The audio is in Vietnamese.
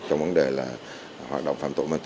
trong vấn đề lực lượng